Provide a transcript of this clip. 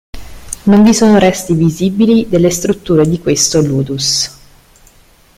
Non vi sono resti visibili delle strutture di questo "ludus".